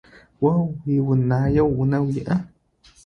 О уиунаеу унэ уиӏа?